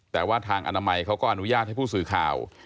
แต่ว่าทางอนามัยเขาก็อนุญาตให้ผู้สื่อข่าว